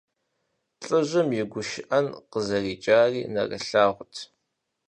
ЛӀыжьым и гушыӀэн къызэрикӀар нэрылъагъут.